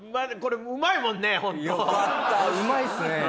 うまいっすね。